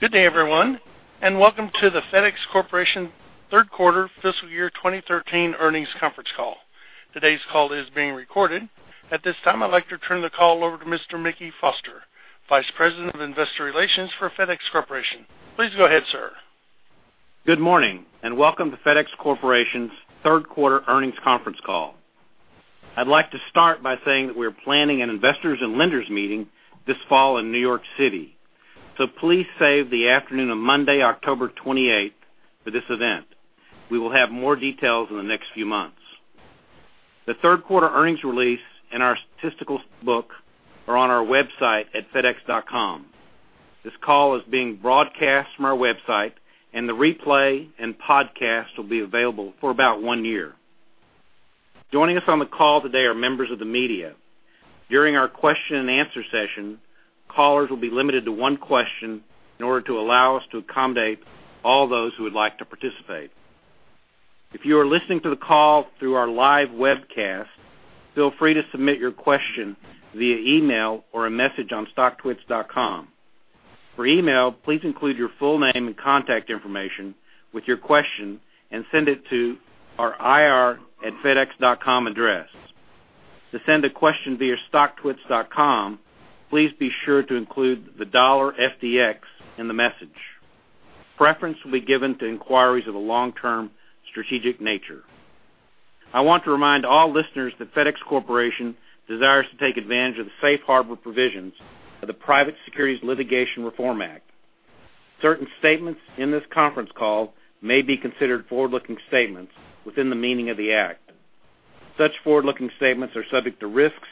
Good day, everyone, and welcome to the FedEx Corporation third quarter fiscal year 2013 earnings conference call. Today's call is being recorded. At this time, I'd like to turn the call over to Mr. Mickey Foster, Vice President of Investor Relations for FedEx Corporation. Please go ahead, sir. Good morning, and welcome to FedEx Corporation's third quarter earnings conference call. I'd like to start by saying that we're planning an investors and lenders meeting this fall in New York City. Please save the afternoon of Monday, October 28th, for this event. We will have more details in the next few months. The third quarter earnings release and our statistical book are on our website at fedex.com. This call is being broadcast from our website, and the replay and podcast will be available for about one year. Joining us on the call today are members of the media. During our question and answer session, callers will be limited to one question in order to allow us to accommodate all those who would like to participate. If you are listening to the call through our live webcast, feel free to submit your question via email or a message on StockTwits.com. For email, please include your full name and contact information with your question and send it to our ir@fedex.com address. To send a question via StockTwits.com, please be sure to include the $FDX in the message. Preference will be given to inquiries of a long-term strategic nature. I want to remind all listeners that FedEx Corporation desires to take advantage of the safe harbor provisions of the Private Securities Litigation Reform Act. Certain statements in this conference call may be considered forward-looking statements within the meaning of the Act. Such forward-looking statements are subject to risks,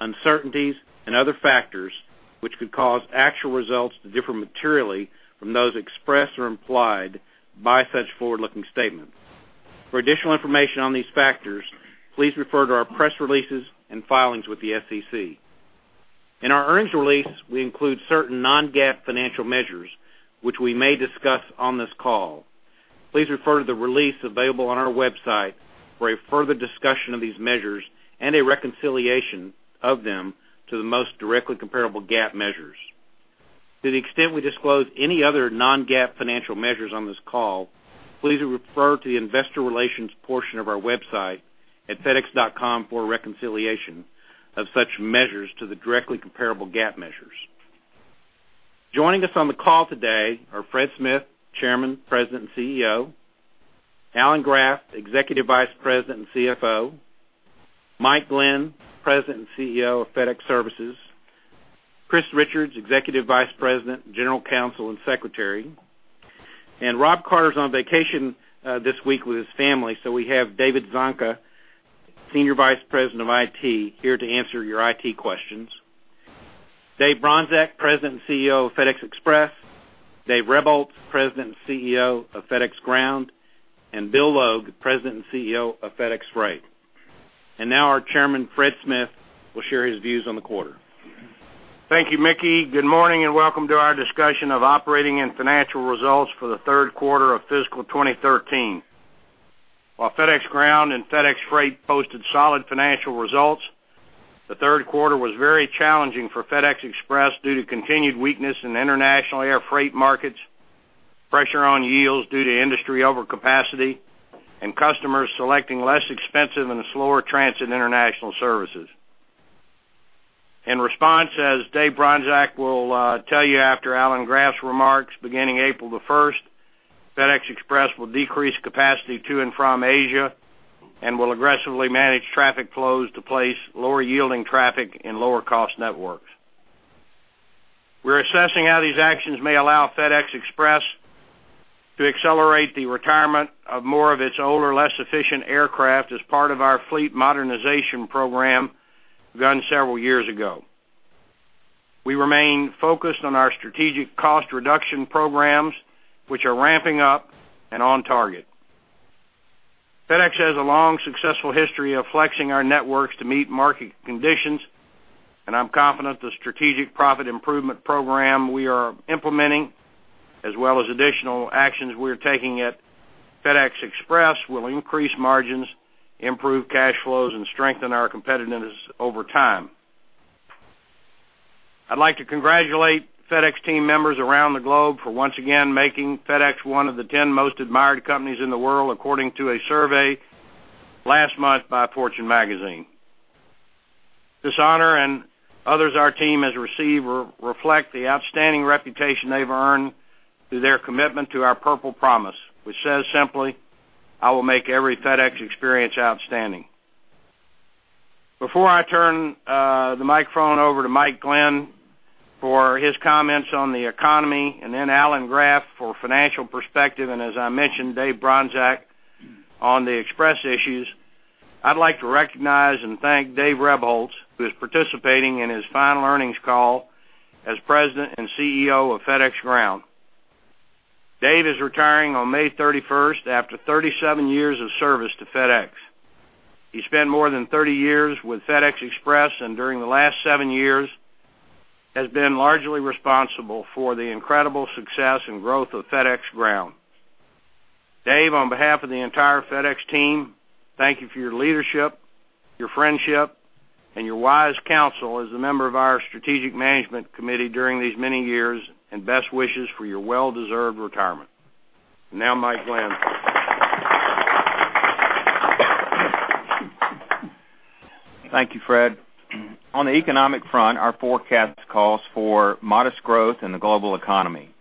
uncertainties, and other factors, which could cause actual results to differ materially from those expressed or implied by such forward-looking statements. For additional information on these factors, please refer to our press releases and filings with the SEC. In our earnings release, we include certain non-GAAP financial measures, which we may discuss on this call. Please refer to the release available on our website for a further discussion of these measures and a reconciliation of them to the most directly comparable GAAP measures. To the extent we disclose any other non-GAAP financial measures on this call, please refer to the investor relations portion of our website at fedex.com for a reconciliation of such measures to the directly comparable GAAP measures. Joining us on the call today are Fred Smith, Chairman, President, and CEO. Alan Graf, Executive Vice President and CFO. Mike Glenn, President and CEO of FedEx Services. Chris Richards, Executive Vice President, General Counsel, and Secretary. And Rob Carter is on vacation this week with his family, so we have David Zonka, Senior Vice President of IT, here to answer your IT questions. Dave Bronczek, President and CEO of FedEx Express, Dave Rebholz, President and CEO of FedEx Ground, and Bill Logue, President and CEO of FedEx Freight. And now our chairman, Fred Smith, will share his views on the quarter. Thank you, Mickey. Good morning, and welcome to our discussion of operating and financial results for the third quarter of fiscal 2013. While FedEx Ground and FedEx Freight posted solid financial results, the third quarter was very challenging for FedEx Express due to continued weakness in international air freight markets, pressure on yields due to industry overcapacity, and customers selecting less expensive and slower transit international services. In response, as Dave Bronczek will tell you after Alan Graf's remarks, beginning April the first, FedEx Express will decrease capacity to and from Asia and will aggressively manage traffic flows to place lower-yielding traffic in lower-cost networks. We're assessing how these actions may allow FedEx Express to accelerate the retirement of more of its older, less efficient aircraft as part of our fleet modernization program done several years ago. We remain focused on our strategic cost reduction programs, which are ramping up and on target. FedEx has a long, successful history of flexing our networks to meet market conditions, and I'm confident the strategic profit improvement program we are implementing, as well as additional actions we're taking at FedEx Express, will increase margins, improve cash flows, and strengthen our competitiveness over time. I'd like to congratulate FedEx team members around the globe for once again making FedEx one of the 10 most admired companies in the world, according to a survey last month by Fortune Magazine. This honor and others our team has received reflect the outstanding reputation they've earned through their commitment to our Purple Promise, which says simply, "I will make every FedEx experience outstanding." Before I turn the microphone over to Mike Glenn for his comments on the economy, and then Alan Graf for financial perspective, and as I mentioned, Dave Bronczek on the Express issues, I'd like to recognize and thank Dave Rebholz, who is participating in his final earnings call as President and CEO of FedEx Ground. Dave is retiring on May 31st after 37 years of service to FedEx. He spent more than 30 years with FedEx Express, and during the last 7 years, has been largely responsible for the incredible success and growth of FedEx Ground.... Dave, on behalf of the entire FedEx team, thank you for your leadership, your friendship, and your wise counsel as a member of our Strategic Management Committee during these many years, and best wishes for your well-deserved retirement. Now, Mike Glenn. Thank you, Fred. On the economic front, our forecast calls for modest growth in the global economy.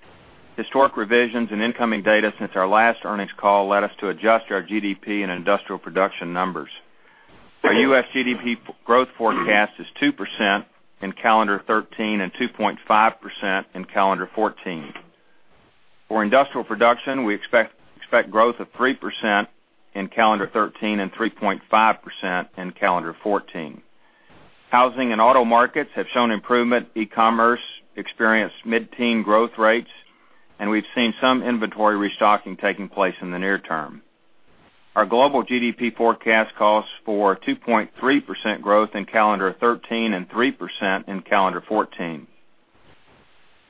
Historic revisions and incoming data since our last earnings call led us to adjust our GDP and industrial production numbers. Our U.S. GDP growth forecast is 2% in calendar 2013 and 2.5% in calendar 2014. For industrial production, we expect growth of 3% in calendar 2013 and 3.5% in calendar 2014. Housing and auto markets have shown improvement, e-commerce experienced mid-teen growth rates, and we've seen some inventory restocking taking place in the near term. Our global GDP forecast calls for 2.3% growth in calendar 2013 and 3% in calendar 2014.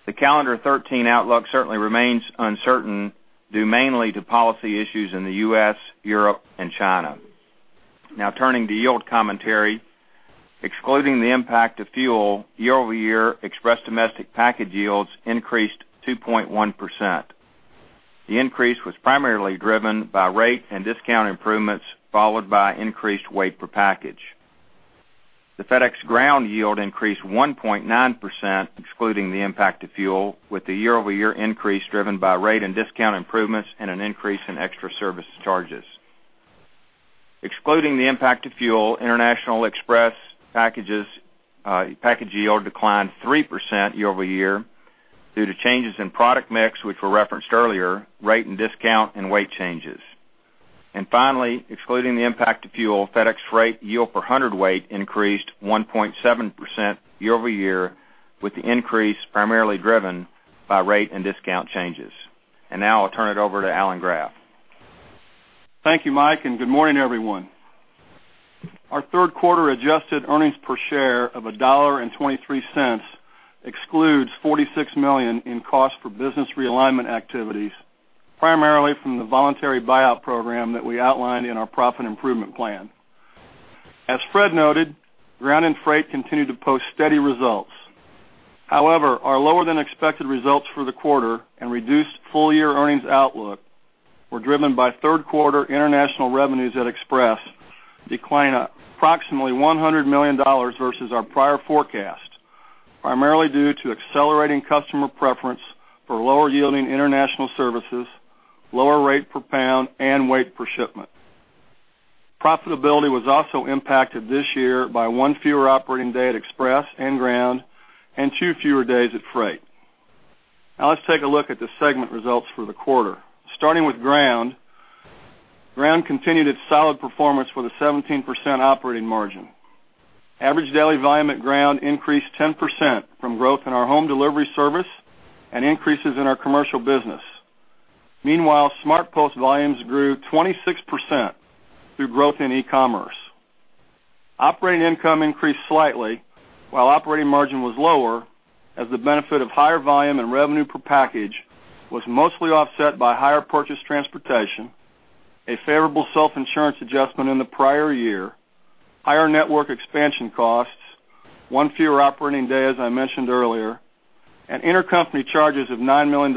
The calendar 2013 outlook certainly remains uncertain, due mainly to policy issues in the U.S., Europe, and China. Now turning to yield commentary. Excluding the impact of fuel, year-over-year Express domestic package yields increased 2.1%. The increase was primarily driven by rate and discount improvements, followed by increased weight per package. The FedEx Ground yield increased 1.9%, excluding the impact of fuel, with the year-over-year increase driven by rate and discount improvements and an increase in extra service charges. Excluding the impact of fuel, International Express packages, package yield declined 3% year-over-year due to changes in product mix, which were referenced earlier, rate and discount, and weight changes. And finally, excluding the impact of fuel, FedEx Freight yield per hundredweight increased 1.7% year-over-year, with the increase primarily driven by rate and discount changes. And now I'll turn it over to Alan Graf. Thank you, Mike, and good morning, everyone. Our third quarter adjusted earnings per share of $1.23 excludes $46 million in cost for business realignment activities, primarily from the voluntary buyout program that we outlined in our profit improvement plan. As Fred noted, Ground and Freight continued to post steady results. However, our lower-than-expected results for the quarter and reduced full-year earnings outlook were driven by third quarter international revenues at Express, declining approximately $100 million versus our prior forecast, primarily due to accelerating customer preference for lower-yielding international services, lower rate per pound, and weight per shipment. Profitability was also impacted this year by one fewer operating day at Express and Ground, and two fewer days at Freight. Now let's take a look at the segment results for the quarter. Starting with Ground, Ground continued its solid performance with a 17% operating margin. Average daily volume at Ground increased 10% from growth in our home delivery service and increases in our commercial business. Meanwhile, SmartPost volumes grew 26% through growth in e-commerce. Operating income increased slightly, while operating margin was lower, as the benefit of higher volume and revenue per package was mostly offset by higher purchase transportation, a favorable self-insurance adjustment in the prior year, higher network expansion costs, one fewer operating day, as I mentioned earlier, and intercompany charges of $9 million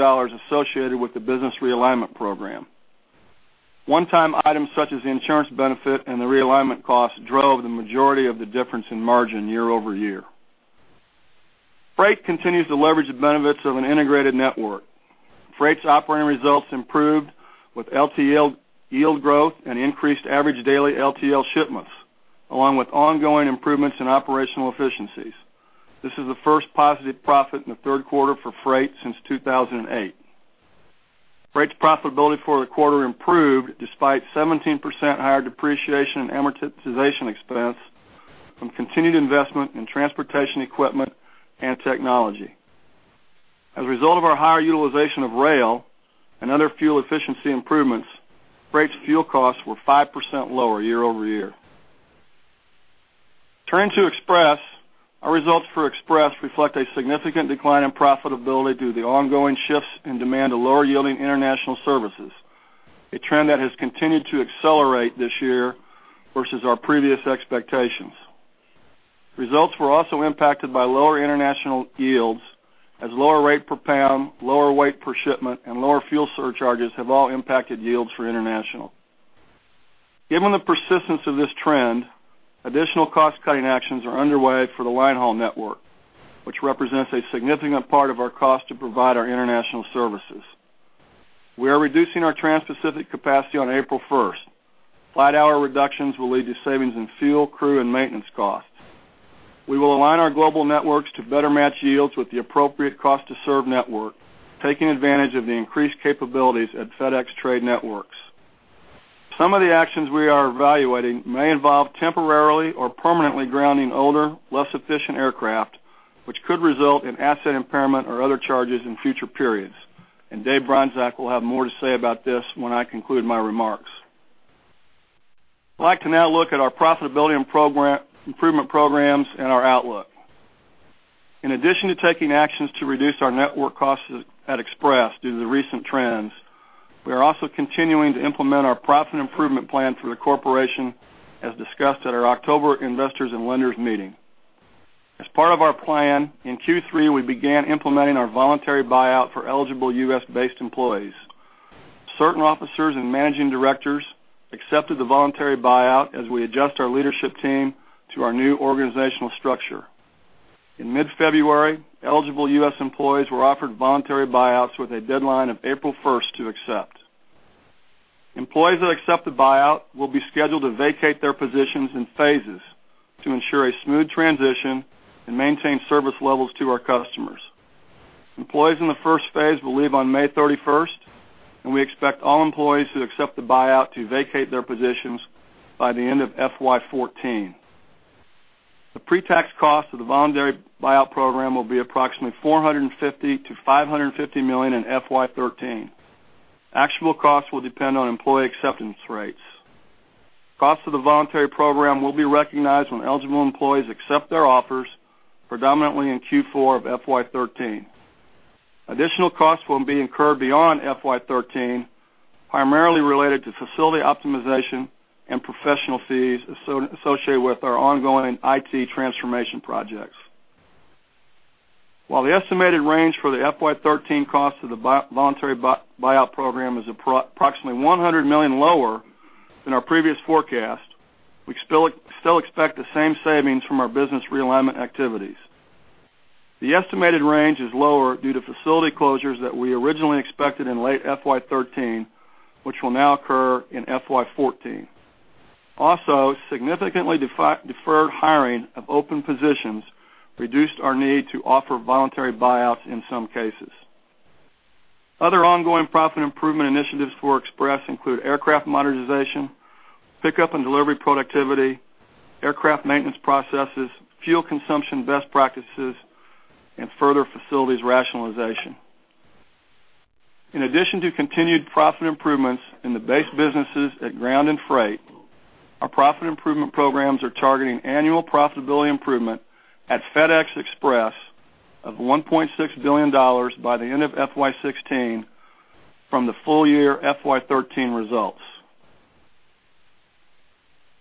associated with the business realignment program. One-time items, such as the insurance benefit and the realignment costs, drove the majority of the difference in margin year-over-year. Freight continues to leverage the benefits of an integrated network. Freight's operating results improved with LTL yield growth and increased average daily LTL shipments, along with ongoing improvements in operational efficiencies. This is the first positive profit in the third quarter for Freight since 2008. Freight's profitability for the quarter improved, despite 17% higher depreciation and amortization expense from continued investment in transportation, equipment, and technology. As a result of our higher utilization of rail and other fuel efficiency improvements, Freight's fuel costs were 5% lower year-over-year. Turning to Express, our results for Express reflect a significant decline in profitability due to the ongoing shifts in demand to lower-yielding international services, a trend that has continued to accelerate this year versus our previous expectations. Results were also impacted by lower international yields, as lower rate per pound, lower weight per shipment, and lower fuel surcharges have all impacted yields for international. Given the persistence of this trend, additional cost-cutting actions are underway for the line haul network, which represents a significant part of our cost to provide our international services. We are reducing our transpacific capacity on April first. Flight hour reductions will lead to savings in fuel, crew, and maintenance costs. We will align our global networks to better match yields with the appropriate cost-to-serve network, taking advantage of the increased capabilities at FedEx Trade Networks. Some of the actions we are evaluating may involve temporarily or permanently grounding older, less efficient aircraft, which could result in asset impairment or other charges in future periods, and Dave Bronczek will have more to say about this when I conclude my remarks. I'd like to now look at our profitability and program, improvement programs and our outlook. In addition to taking actions to reduce our network costs at Express due to the recent trends, we are also continuing to implement our profit improvement plan for the corporation, as discussed at our October investors and lenders meeting. As part of our plan, in Q3, we began implementing our voluntary buyout for eligible U.S.-based employees. Certain officers and managing directors accepted the voluntary buyout as we adjust our leadership team to our new organizational structure. In mid-February, eligible U.S. employees were offered voluntary buyouts with a deadline of April 1st to accept. Employees that accept the buyout will be scheduled to vacate their positions in phases to ensure a smooth transition and maintain service levels to our customers. Employees in the first phase will leave on May 31st, and we expect all employees who accept the buyout to vacate their positions by the end of FY 2014. The pre-tax cost of the voluntary buyout program will be approximately $450 million-$550 million in FY 2013. Actual costs will depend on employee acceptance rates. Cost of the voluntary program will be recognized when eligible employees accept their offers, predominantly in Q4 of FY 2013. Additional costs will be incurred beyond FY 2013, primarily related to facility optimization and professional fees associated with our ongoing IT transformation projects. While the estimated range for the FY 2013 cost of the voluntary buyout program is approximately $100 million lower than our previous forecast, we still expect the same savings from our business realignment activities. The estimated range is lower due to facility closures that we originally expected in late FY 2013, which will now occur in FY 2014. Also, significantly deferred hiring of open positions reduced our need to offer voluntary buyouts in some cases. Other ongoing profit improvement initiatives for Express include aircraft monetization, pickup and delivery productivity, aircraft maintenance processes, fuel consumption best practices, and further facilities rationalization. In addition to continued profit improvements in the base businesses at Ground and Freight, our profit improvement programs are targeting annual profitability improvement at FedEx Express of $1.6 billion by the end of FY 2016 from the full year FY 2013 results.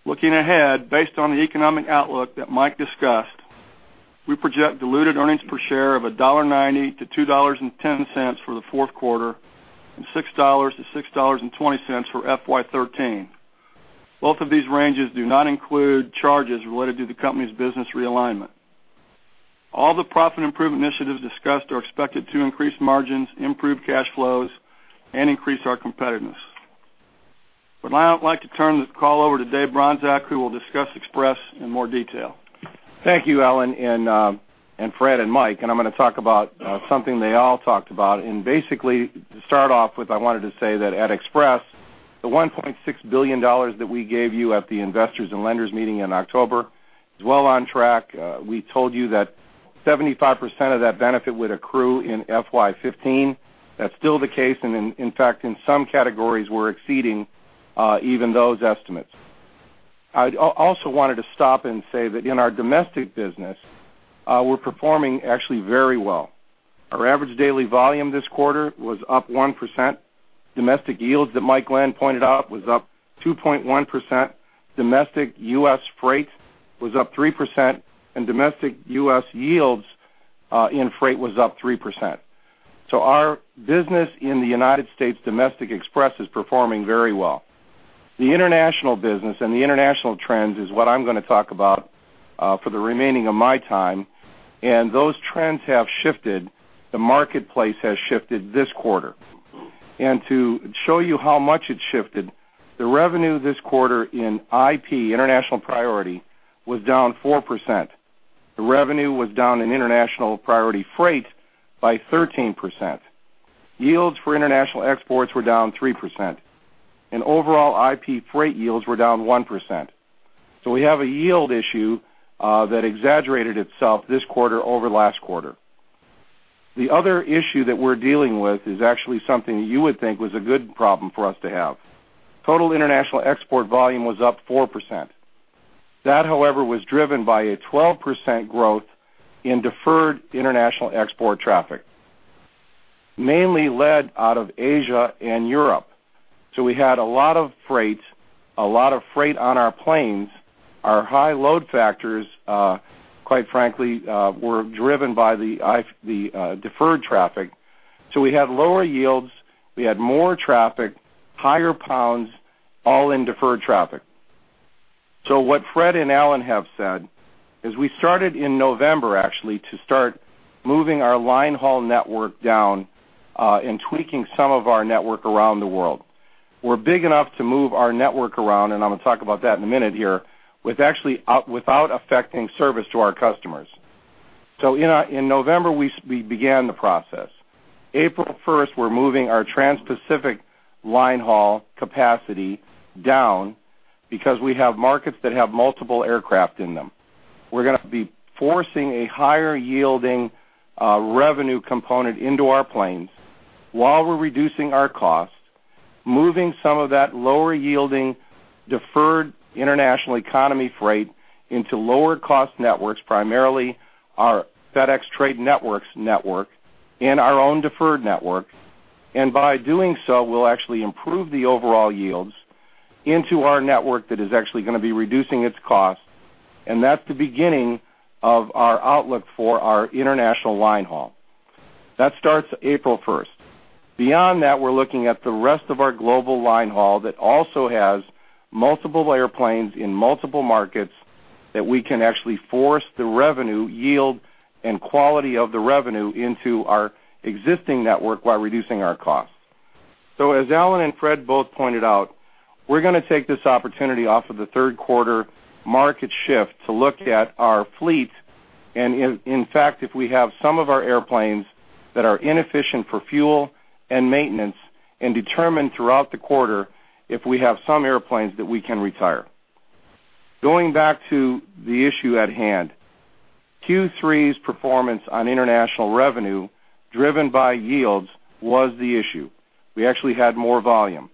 Looking ahead, based on the economic outlook that Mike discussed, we project diluted earnings per share of $1.90-$2.10 for the fourth quarter, and $6-$6.20 for FY 2013. Both of these ranges do not include charges related to the company's business realignment. All the profit improvement initiatives discussed are expected to increase margins, improve cash flows, and increase our competitiveness. Now I'd like to turn the call over to Dave Bronczek, who will discuss Express in more detail. Thank you, Alan, and, and Fred and Mike. And I'm gonna talk about, something they all talked about. And basically, to start off with, I wanted to say that at Express, the $1.6 billion that we gave you at the investors and lenders meeting in October is well on track. We told you that 75% of that benefit would accrue in FY 2015. That's still the case, and in fact, in some categories, we're exceeding, even those estimates. I also wanted to stop and say that in our domestic business, we're performing actually very well. Our average daily volume this quarter was up 1%. Domestic yields, that Mike Glenn pointed out, was up 2.1%. Domestic US freight was up 3%, and domestic US yields, in freight was up 3%. So our business in the United States, domestic Express, is performing very well. The international business and the international trends is what I'm gonna talk about for the remaining of my time, and those trends have shifted. The marketplace has shifted this quarter. And to show you how much it's shifted, the revenue this quarter in IP, International Priority, was down 4%. The revenue was down in International Priority Freight by 13%. Yields for international exports were down 3%, and overall IP freight yields were down 1%. So we have a yield issue that exaggerated itself this quarter over last quarter. The other issue that we're dealing with is actually something you would think was a good problem for us to have. Total international export volume was up 4%. That, however, was driven by a 12% growth in deferred international export traffic, mainly led out of Asia and Europe. So we had a lot of freight, a lot of freight on our planes. Our high load factors, quite frankly, were driven by the deferred traffic. So we had lower yields, we had more traffic, higher pounds, all in deferred traffic. So what Fred and Alan have said is we started in November, actually, to start moving our line haul network down, and tweaking some of our network around the world. We're big enough to move our network around, and I'm gonna talk about that in a minute here, with actually without affecting service to our customers. So in November, we began the process. April 1, we're moving our transpacific line haul capacity down because we have markets that have multiple aircraft in them. We're gonna be forcing a higher yielding revenue component into our planes while we're reducing our costs, moving some of that lower yielding, deferred International Economy Freight into lower cost networks, primarily our FedEx Trade Networks network and our own deferred network. And by doing so, we'll actually improve the overall yields into our network that is actually gonna be reducing its costs, and that's the beginning of our outlook for our international line haul. That starts April 1. Beyond that, we're looking at the rest of our global line haul that also has multiple layer planes in multiple markets that we can actually force the revenue yield and quality of the revenue into our existing network while reducing our costs. So as Alan and Fred both pointed out, we're gonna take this opportunity off of the third quarter market shift to look at our fleet, and in fact, if we have some of our airplanes that are inefficient for fuel and maintenance, and determine throughout the quarter, if we have some airplanes that we can retire. Going back to the issue at hand, Q3's performance on international revenue, driven by yields, was the issue. We actually had more volume.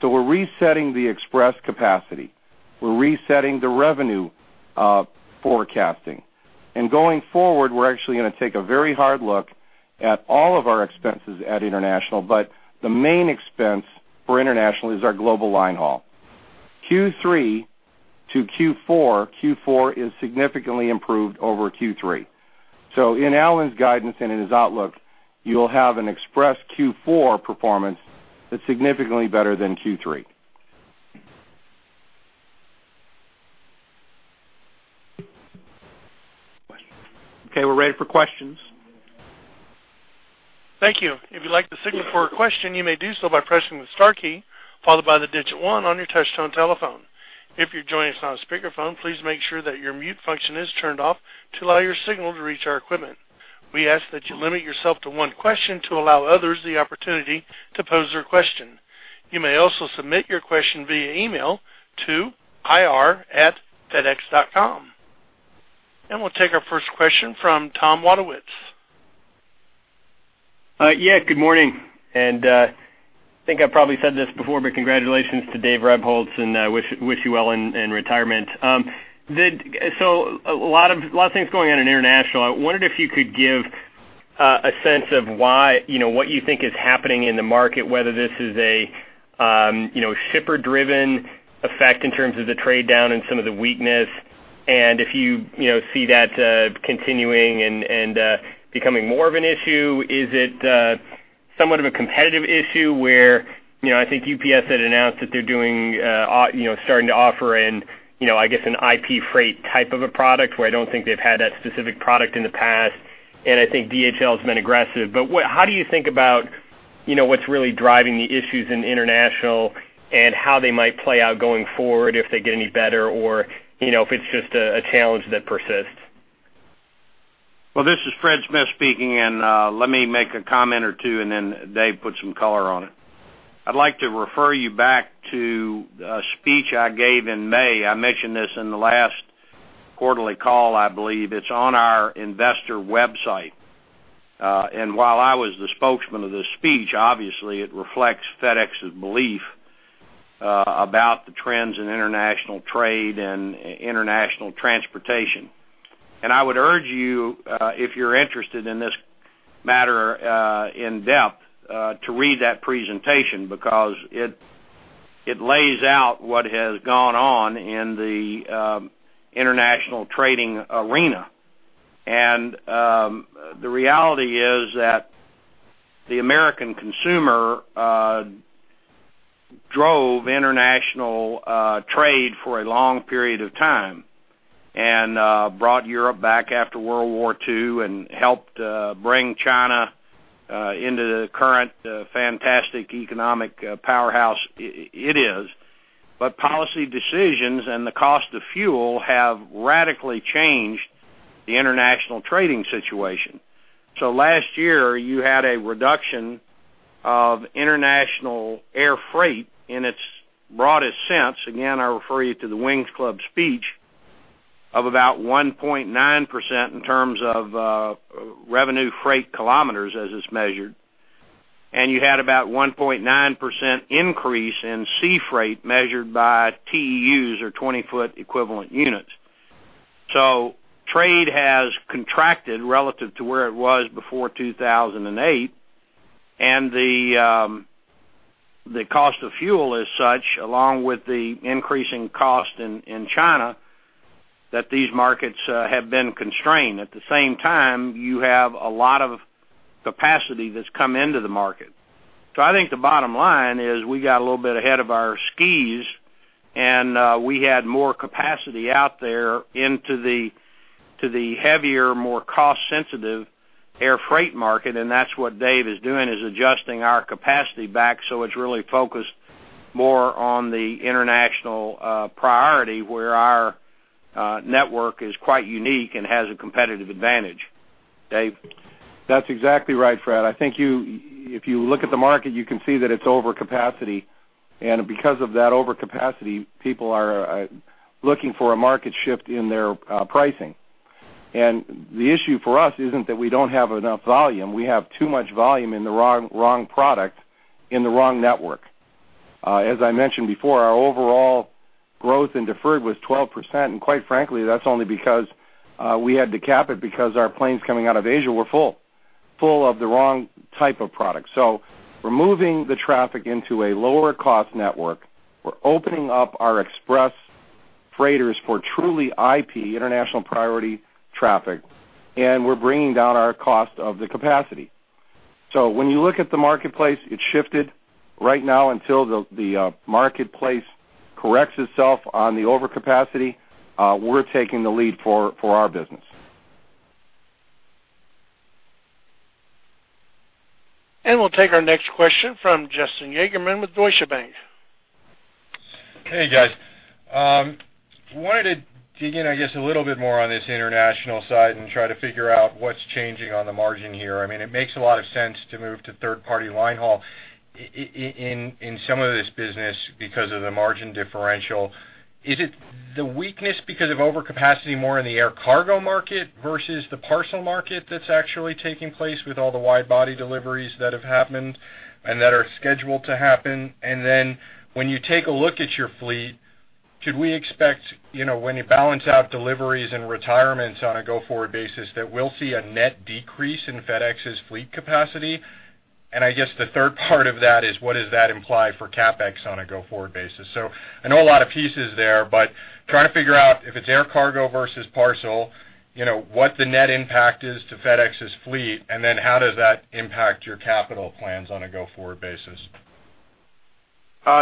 So we're resetting the Express capacity. We're resetting the revenue, forecasting. And going forward, we're actually gonna take a very hard look at all of our expenses at international, but the main expense for international is our global line haul. Q3 to Q4, Q4 is significantly improved over Q3. So in Alan's guidance and in his outlook, you'll have an Express Q4 performance that's significantly better than Q3. Okay, we're ready for questions. Thank you. If you'd like to signal for a question, you may do so by pressing the star key, followed by the digit one on your touchtone telephone. If you're joining us on a speakerphone, please make sure that your mute function is turned off to allow your signal to reach our equipment. We ask that you limit yourself to one question to allow others the opportunity to pose their question. You may also submit your question via email to ir@fedex.com. We'll take our first question from Tom Wadewitz. Yeah, good morning. And I think I've probably said this before, but congratulations to Dave Rebholz, and wish you well in retirement. So a lot of things going on in international. I wondered if you could give a sense of why, you know, what you think is happening in the market, whether this is a, you know, shipper-driven effect in terms of the trade down and some of the weakness, and if you, you know, see that continuing and becoming more of an issue? Is it somewhat of a competitive issue where, you know, I think UPS had announced that they're doing, you know, starting to offer an, you know, I guess, an IP freight type of a product, where I don't think they've had that specific product in the past, and I think DHL has been aggressive? But what, how do you think about, you know, what's really driving the issues in international and how they might play out going forward if they get any better or, you know, if it's just a challenge that persists? Well, this is Fred Smith speaking, and let me make a comment or two, and then Dave, put some color on it. I'd like to refer you back to a speech I gave in May. I mentioned this in the last quarterly call, I believe. It's on our investor website. And while I was the spokesman of the speech, obviously, it reflects FedEx's belief about the trends in international trade and international transportation. And I would urge you, if you're interested in this matter, in depth, to read that presentation because it, it lays out what has gone on in the international trading arena. The reality is that the American consumer drove international trade for a long period of time and brought Europe back after World War II and helped bring China into the current fantastic economic powerhouse it is. But policy decisions and the cost of fuel have radically changed the international trading situation. So last year, you had a reduction of international air freight in its broadest sense, again, I refer you to the Wings Club speech, of about 1.9% in terms of Revenue Freight Kilometers, as it's measured, and you had about 1.9% increase in sea freight, measured by TEUs, or twenty-foot equivalent units. So trade has contracted relative to where it was before 2008, and the cost of fuel is such, along with the increasing cost in China, that these markets have been constrained. At the same time, you have a lot of capacity that's come into the market. So I think the bottom line is, we got a little bit ahead of our skis, and we had more capacity out there into the heavier, more cost-sensitive air freight market, and that's what Dave is doing, is adjusting our capacity back, so it's really focused more on the International Priority, where our network is quite unique and has a competitive advantage.... Dave? That's exactly right, Fred. I think you, if you look at the market, you can see that it's overcapacity, and because of that overcapacity, people are looking for a market shift in their pricing. And the issue for us isn't that we don't have enough volume. We have too much volume in the wrong, wrong product in the wrong network. As I mentioned before, our overall growth in deferred was 12%, and quite frankly, that's only because we had to cap it because our planes coming out of Asia were full, full of the wrong type of product. So we're moving the traffic into a lower cost network. We're opening up our express freighters for truly IP, International Priority traffic, and we're bringing down our cost of the capacity. So when you look at the marketplace, it's shifted. Right now, until the marketplace corrects itself on the overcapacity, we're taking the lead for our business. We'll take our next question from Justin Yagerman with Deutsche Bank. Hey, guys. Wanted to dig in, I guess, a little bit more on this international side and try to figure out what's changing on the margin here. I mean, it makes a lot of sense to move to third-party line haul in some of this business because of the margin differential. Is it the weakness because of overcapacity more in the air cargo market versus the parcel market that's actually taking place with all the wide-body deliveries that have happened and that are scheduled to happen? And then when you take a look at your fleet, should we expect, you know, when you balance out deliveries and retirements on a go-forward basis, that we'll see a net decrease in FedEx's fleet capacity? And I guess the third part of that is, what does that imply for CapEx on a go-forward basis? I know a lot of pieces there, but trying to figure out if it's air cargo versus parcel, you know, what the net impact is to FedEx's fleet, and then how does that impact your capital plans on a go-forward basis?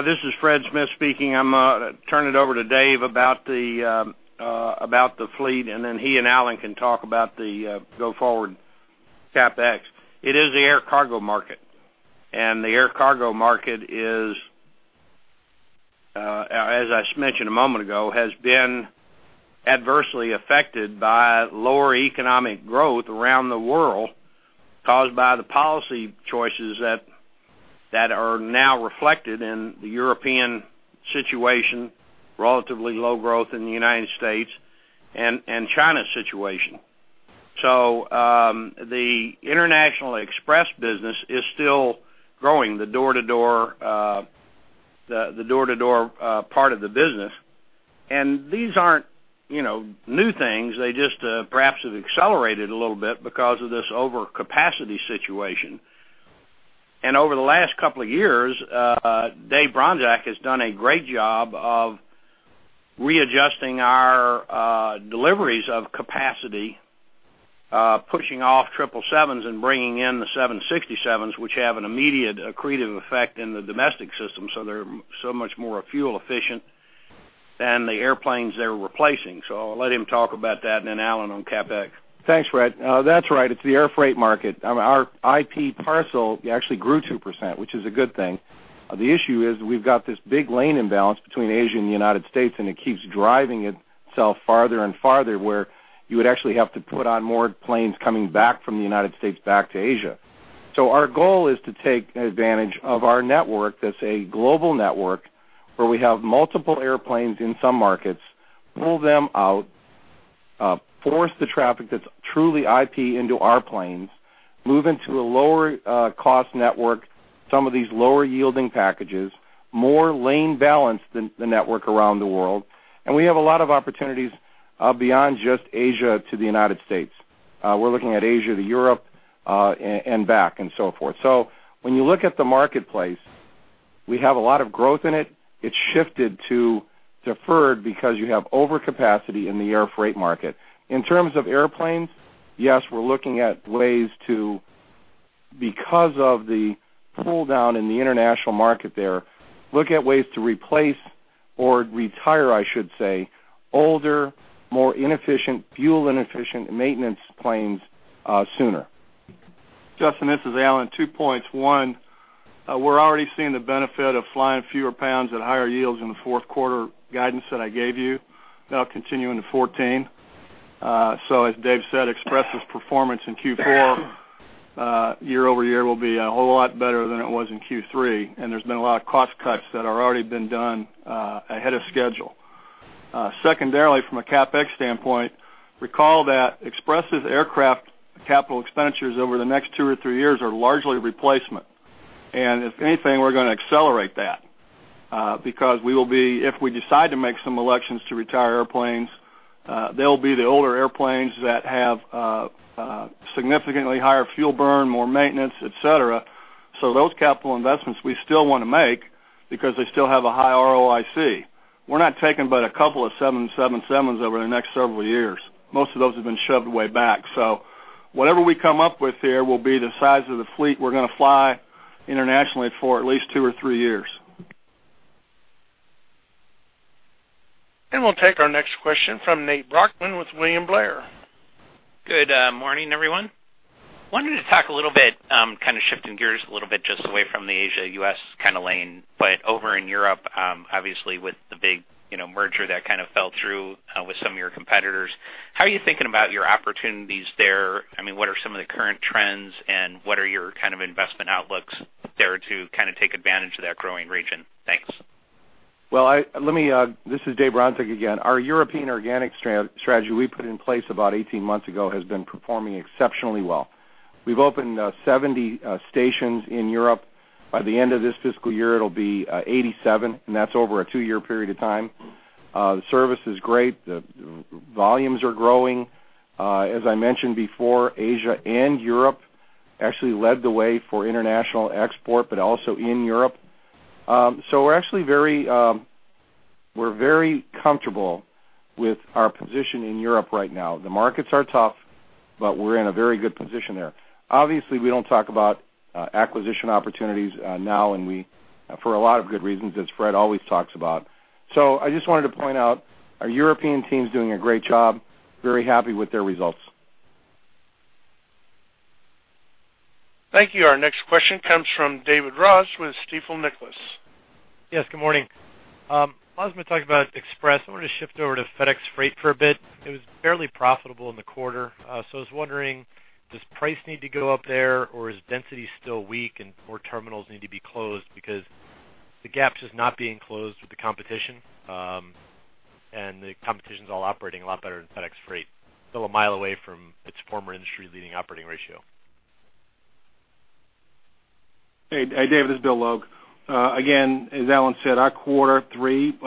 This is Fred Smith speaking. I'm turn it over to Dave about the about the fleet, and then he and Alan can talk about the go-forward CapEx. It is the air cargo market, and the air cargo market is, as I just mentioned a moment ago, has been adversely affected by lower economic growth around the world, caused by the policy choices that are now reflected in the European situation, relatively low growth in the United States and China's situation. So, the international express business is still growing, the door-to-door, the door-to-door part of the business. And these aren't, you know, new things. They just, perhaps have accelerated a little bit because of this overcapacity situation. Over the last couple of years, Dave Bronczek has done a great job of readjusting our deliveries of capacity, pushing off 777s and bringing in the 767s, which have an immediate accretive effect in the domestic system, so they're so much more fuel efficient than the airplanes they're replacing. I'll let him talk about that, and then Alan on CapEx. Thanks, Fred. That's right. It's the air freight market. Our IP parcel actually grew 2%, which is a good thing. The issue is we've got this big lane imbalance between Asia and the United States, and it keeps driving itself farther and farther, where you would actually have to put on more planes coming back from the United States back to Asia. So our goal is to take advantage of our network, that's a global network, where we have multiple airplanes in some markets, pull them out, force the traffic that's truly IP into our planes, move into a lower, cost network, some of these lower-yielding packages, more lane balance than the network around the world. And we have a lot of opportunities, beyond just Asia to the United States. We're looking at Asia to Europe, and, and back and so forth. So when you look at the marketplace, we have a lot of growth in it. It's shifted to deferred because you have overcapacity in the air freight market. In terms of airplanes, yes, we're looking at ways to, because of the pull-down in the international market there, look at ways to replace or retire, I should say, older, more inefficient, fuel inefficient maintenance planes sooner. Justin, this is Alan. Two points. One, we're already seeing the benefit of flying fewer pounds at higher yields in the fourth quarter guidance that I gave you. That'll continue into 2014. So as Dave said, Express's performance in Q4, year-over-year, will be a whole lot better than it was in Q3, and there's been a lot of cost cuts that are already been done, ahead of schedule. Secondarily, from a CapEx standpoint, recall that Express's aircraft capital expenditures over the next two or three years are largely replacement. And if anything, we're gonna accelerate that, because if we decide to make some elections to retire airplanes, they'll be the older airplanes that have, significantly higher fuel burn, more maintenance, et cetera. Those capital investments we still want to make because they still have a high ROIC. We're not taking but a couple of 777s over the next several years. Most of those have been shoved way back. Whatever we come up with here will be the size of the fleet we're gonna fly internationally for at least two or three years. We'll take our next question from Nate Brochmann with William Blair. Good morning, everyone. ... Wanted to talk a little bit, kind of shifting gears a little bit, just away from the Asia-U.S. kind of lane. But over in Europe, obviously, with the big, you know, merger that kind of fell through, with some of your competitors, how are you thinking about your opportunities there? I mean, what are some of the current trends, and what are your kind of investment outlooks there to kind of take advantage of that growing region? Thanks. Well, let me, this is Dave Bronczek again. Our European organic strategy we put in place about 18 months ago has been performing exceptionally well. We've opened 70 stations in Europe. By the end of this fiscal year, it'll be 87, and that's over a two-year period of time. The service is great. The volumes are growing. As I mentioned before, Asia and Europe actually led the way for international export, but also in Europe. So we're actually very comfortable with our position in Europe right now. The markets are tough, but we're in a very good position there. Obviously, we don't talk about acquisition opportunities now, and we, for a lot of good reasons, as Fred always talks about. So I just wanted to point out, our European team's doing a great job. Very happy with their results. Thank you. Our next question comes from David Ross with Stifel Nicolaus. Yes, good morning. A lot has been talked about Express. I want to shift over to FedEx Freight for a bit. It was fairly profitable in the quarter, so I was wondering, does price need to go up there, or is density still weak and more terminals need to be closed? Because the gap is just not being closed with the competition, and the competition's all operating a lot better than FedEx Freight. Still a mile away from its former industry-leading operating ratio. Hey, hey, David, this is Bill Logue. Again, as Alan said, our quarter 3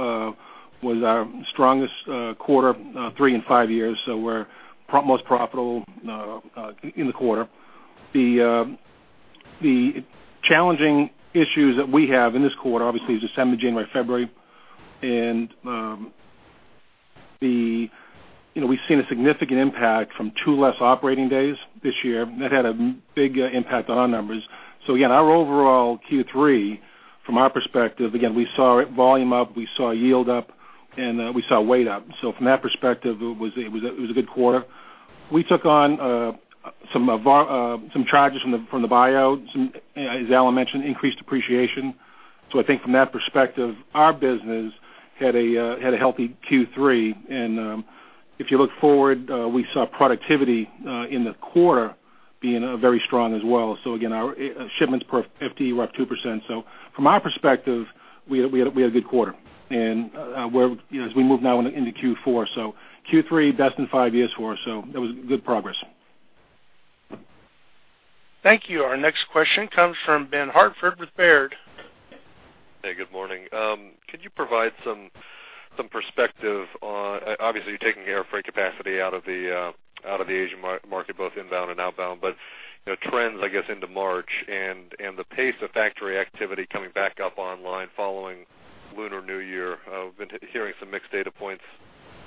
was our strongest quarter 3 in 5 years, so we're probably most profitable in the quarter. The challenging issues that we have in this quarter, obviously, is December, January, February, and the... You know, we've seen a significant impact from 2 less operating days this year. That had a big impact on our numbers. So again, our overall Q3, from our perspective, again, we saw volume up, we saw yield up, and we saw weight up. So from that perspective, it was a good quarter. We took on some of our charges from the buyouts, and as Alan mentioned, increased depreciation. So I think from that perspective, our business had a had a healthy Q3, and if you look forward, we saw productivity in the quarter being very strong as well. So again, our shipments per FTE were up 2%. So from our perspective, we had a we had a good quarter. And we're, you know, as we move now into Q4. So Q3, best in 5 years for us, so it was good progress. Thank you. Our next question comes from Ben Hartford with Baird. Hey, good morning. Could you provide some perspective on, obviously, you're taking air freight capacity out of the Asian market, both inbound and outbound, but, you know, trends, I guess, into March and the pace of factory activity coming back up online following Lunar New Year. I've been hearing some mixed data points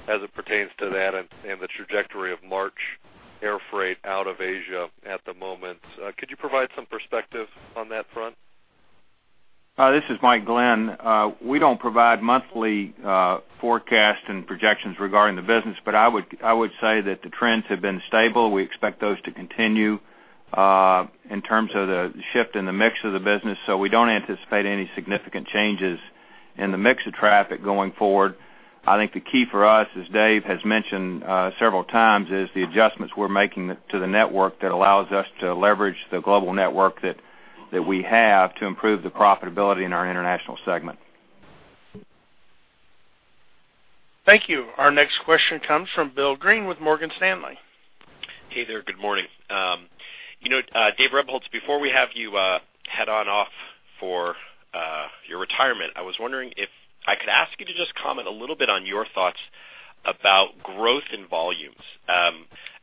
as it pertains to that and the trajectory of March air freight out of Asia at the moment. Could you provide some perspective on that front? This is Mike Glenn. We don't provide monthly forecasts and projections regarding the business, but I would, I would say that the trends have been stable. We expect those to continue in terms of the shift in the mix of the business, so we don't anticipate any significant changes in the mix of traffic going forward. I think the key for us, as Dave has mentioned several times, is the adjustments we're making to the network that allows us to leverage the global network that we have to improve the profitability in our international segment. Thank you. Our next question comes from Bill Greene with Morgan Stanley. Hey there. Good morning. You know, Dave Rebholz, before we have you head on off for your retirement, I was wondering if I could ask you to just comment a little bit on your thoughts about growth in volumes.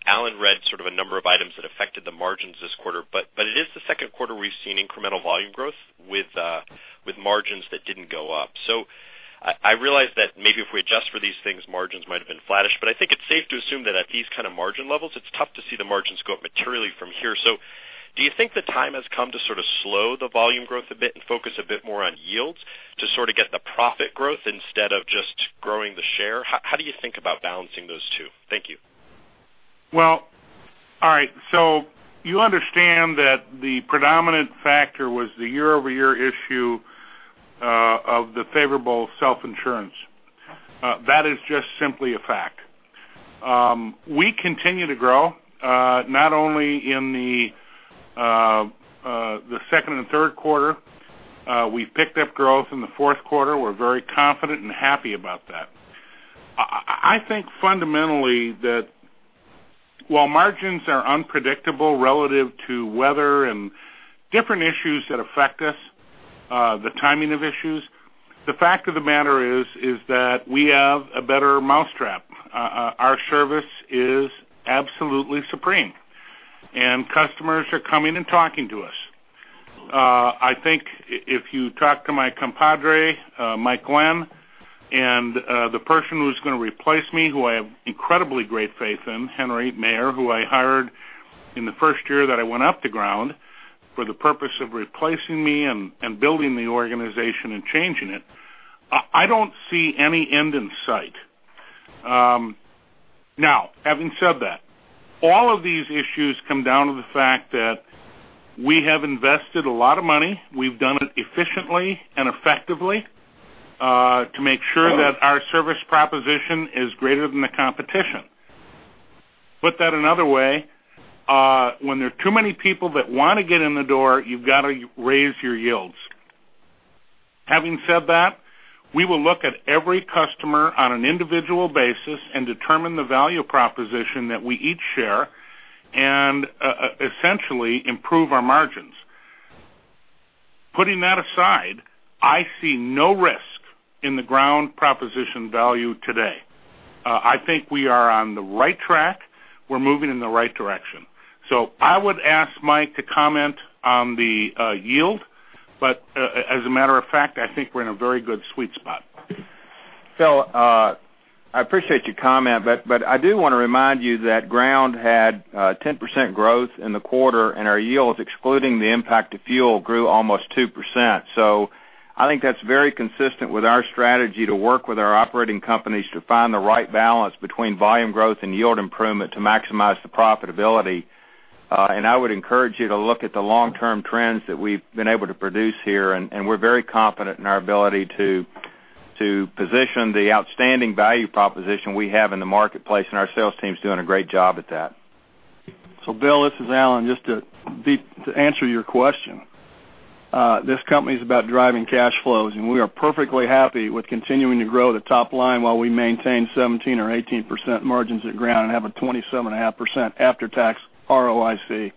Alan read sort of a number of items that affected the margins this quarter, but it is the second quarter we've seen incremental volume growth with margins that didn't go up. I realize that maybe if we adjust for these things, margins might have been flattish, but I think it's safe to assume that at these kind of margin levels, it's tough to see the margins go up materially from here. Do you think the time has come to sort of slow the volume growth a bit and focus a bit more on yields to sort of get the profit growth instead of just growing the share? How, how do you think about balancing those two? Thank you. Well, all right, so you understand that the predominant factor was the year-over-year issue of the favorable self-insurance. That is just simply a fact. We continue to grow, not only in the second and third quarter, we've picked up growth in the fourth quarter. We're very confident and happy about that. I think fundamentally, that while margins are unpredictable relative to weather and different issues that affect us, the timing of issues, the fact of the matter is, is that we have a better mousetrap. Our service is absolutely supreme, and customers are coming and talking to us. I think if you talk to my compadre, Mike Glenn, and the person who's gonna replace me, who I have incredibly great faith in, Henry Maier, who I hired in the first year that I went off the ground for the purpose of replacing me and building the organization and changing it, I don't see any end in sight. Now, having said that, all of these issues come down to the fact that we have invested a lot of money. We've done it efficiently and effectively to make sure that our service proposition is greater than the competition. Put that another way, when there are too many people that wanna get in the door, you've got to raise your yields. Having said that, we will look at every customer on an individual basis and determine the value proposition that we each share and essentially improve our margins. Putting that aside, I see no risk in the ground proposition value today. I think we are on the right track. We're moving in the right direction. So I would ask Mike to comment on the yield, but as a matter of fact, I think we're in a very good sweet spot. So, I appreciate your comment, but, but I do wanna remind you that Ground had 10% growth in the quarter, and our yields, excluding the impact of fuel, grew almost 2%. So I think that's very consistent with our strategy to work with our operating companies to find the right balance between volume growth and yield improvement to maximize the profitability. And I would encourage you to look at the long-term trends that we've been able to produce here, and, and we're very confident in our ability to position the outstanding value proposition we have in the marketplace, and our sales team's doing a great job at that. So Bill, this is Alan. Just to be, to answer your question, this company is about driving cash flows, and we are perfectly happy with continuing to grow the top line while we maintain 17% or 18% margins at Ground and have a 27.5% after-tax ROIC.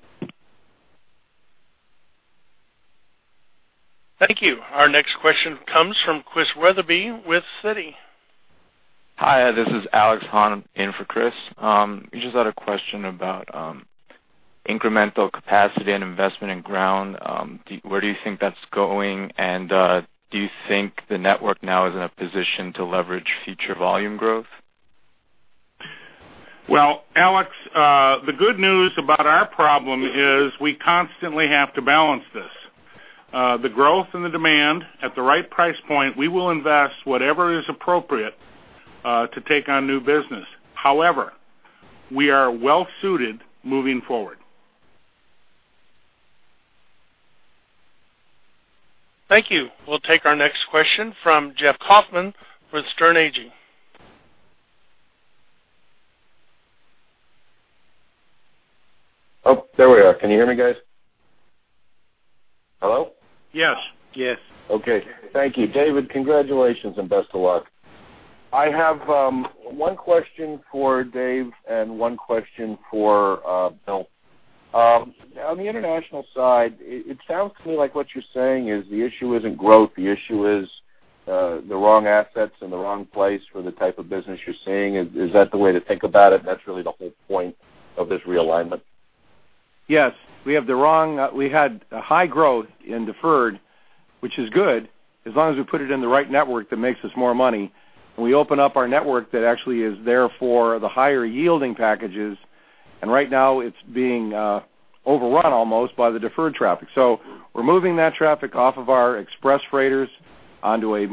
Thank you. Our next question comes from Chris Wetherbee with Citi. Hi, this is Alex Hahn in for Chris. I just had a question about incremental capacity and investment in Ground. Where do you think that's going? Do you think the network now is in a position to leverage future volume growth? Well, Alex, the good news about our problem is we constantly have to balance this. The growth and the demand at the right price point, we will invest whatever is appropriate to take on new business. However, we are well suited moving forward. Thank you. We'll take our next question from Jeff Kauffman with Sterne Agee. Oh, there we are. Can you hear me, guys? Hello? Yes. Yes. Okay. Thank you. David, congratulations and best of luck. I have one question for Dave and one question for Bill. On the international side, it sounds to me like what you're saying is the issue isn't growth, the issue is the wrong assets in the wrong place for the type of business you're seeing. Is that the way to think about it? That's really the whole point of this realignment. Yes. We have the wrong... We had a high growth in deferred, which is good as long as we put it in the right network that makes us more money, and we open up our network that actually is there for the higher-yielding packages. And right now, it's being overrun almost by the deferred traffic. So we're moving that traffic off of our express freighters onto a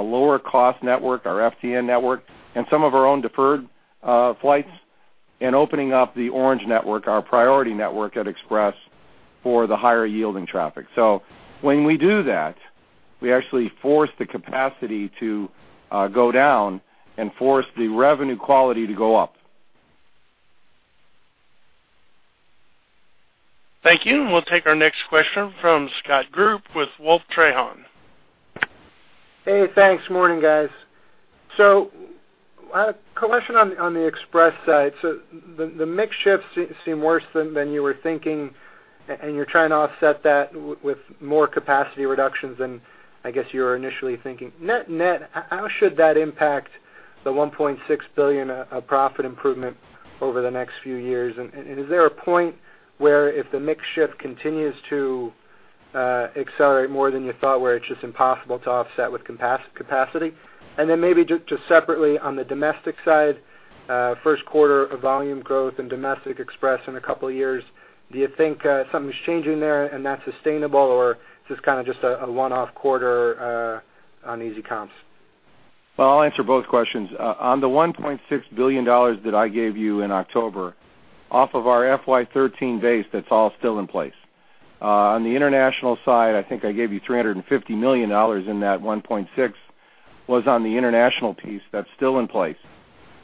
lower-cost network, our FTN network, and some of our own deferred flights, and opening up the Orange Network, our priority network at Express, for the higher-yielding traffic. So when we do that, we actually force the capacity to go down and force the revenue quality to go up. Thank you. We'll take our next question from Scott Group with Wolfe Trahan. Hey, thanks. Morning, guys. So a question on the Express side. So the mix shifts seem worse than you were thinking, and you're trying to offset that with more capacity reductions than I guess you were initially thinking. Net, how should that impact the $1.6 billion of profit improvement over the next few years? And is there a point where if the mix shift continues to accelerate more than you thought, where it's just impossible to offset with capacity? And then maybe just separately, on the domestic side, first quarter of volume growth and domestic Express in a couple of years, do you think something's changing there and that's sustainable, or just kind of a one-off quarter on easy comps? Well, I'll answer both questions. On the $1.6 billion that I gave you in October, off of our FY 2013 base, that's all still in place. On the international side, I think I gave you $350 million in that $1.6, was on the international piece. That's still in place.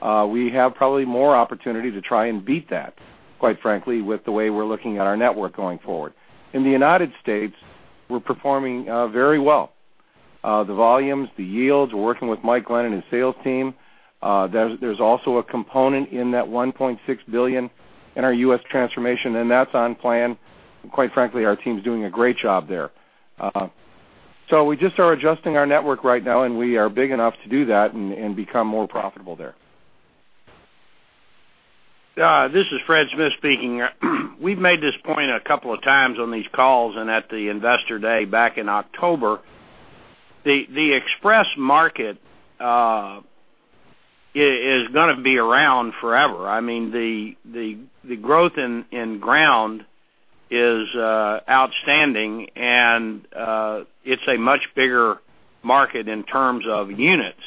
We have probably more opportunity to try and beat that, quite frankly, with the way we're looking at our network going forward. In the United States, we're performing very well. The volumes, the yields, we're working with Mike Glenn and his sales team. There's also a component in that $1.6 billion in our U.S. transformation, and that's on plan. Quite frankly, our team's doing a great job there. So we just are adjusting our network right now, and we are big enough to do that and become more profitable there. This is Fred Smith speaking. We've made this point a couple of times on these calls and at the Investor Day back in October. The express market is gonna be around forever. I mean, the growth in ground ... is outstanding, and it's a much bigger market in terms of units.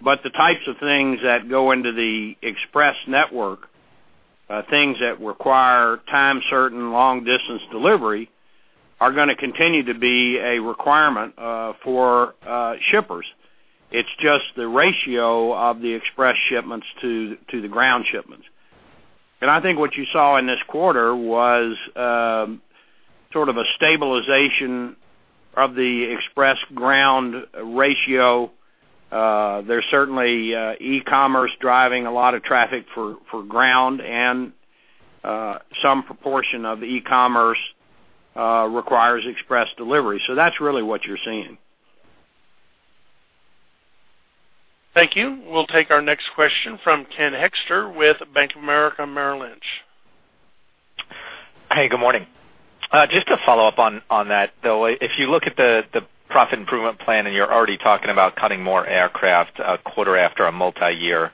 But the types of things that go into the express network, things that require time-certain, long-distance delivery, are gonna continue to be a requirement for shippers. It's just the ratio of the express shipments to the ground shipments. And I think what you saw in this quarter was sort of a stabilization of the express ground ratio. There's certainly e-commerce driving a lot of traffic for ground, and some proportion of the e-commerce requires express delivery. So that's really what you're seeing. Thank you. We'll take our next question from Ken Hoexter with Bank of America Merrill Lynch. Hey, good morning. Just to follow up on that, though, if you look at the profit improvement plan, and you're already talking about cutting more aircraft a quarter after a multiyear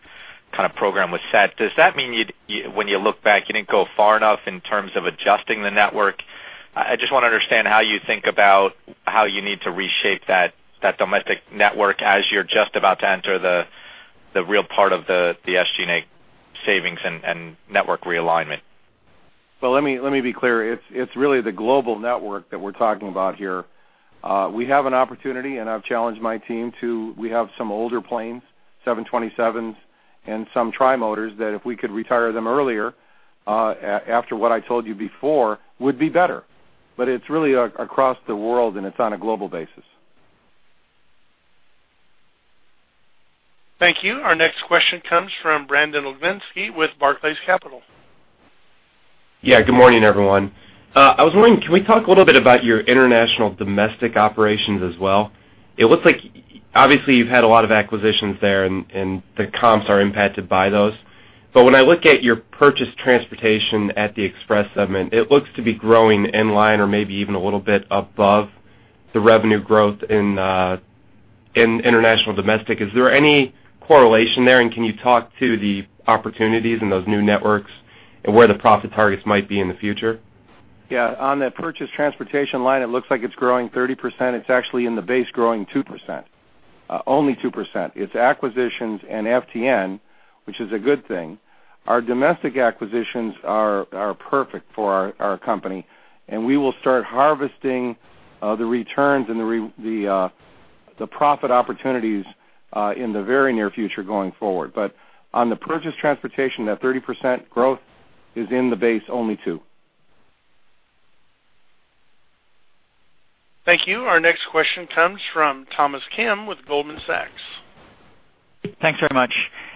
kind of program was set, does that mean you'd - when you look back, you didn't go far enough in terms of adjusting the network? I just wanna understand how you think about how you need to reshape that domestic network as you're just about to enter the real part of the SG&A savings and network realignment. Well, let me, let me be clear. It's, it's really the global network that we're talking about here. We have an opportunity, and I've challenged my team, to we have some older planes, 727s, and some tri-motors, that if we could retire them earlier, after what I told you before, would be better. But it's really across the world, and it's on a global basis. Thank you. Our next question comes from Brandon Oglenski with Barclays Capital. Yeah, good morning, everyone. I was wondering, can we talk a little bit about your international domestic operations as well? It looks like, obviously, you've had a lot of acquisitions there, and, and the comps are impacted by those. But when I look at your purchase transportation at the express segment, it looks to be growing in line or maybe even a little bit above the revenue growth in, in international domestic. Is there any correlation there? And can you talk to the opportunities in those new networks and where the profit targets might be in the future? Yeah, on the purchase transportation line, it looks like it's growing 30%. It's actually in the base growing 2%, only 2%. It's acquisitions and FTN, which is a good thing. Our domestic acquisitions are perfect for our company, and we will start harvesting the returns and the profit opportunities in the very near future, going forward. But on the purchase transportation, that 30% growth is in the base, only 2%. Thank you. Our next question comes from Thomas Kim with Goldman Sachs. Thanks very much.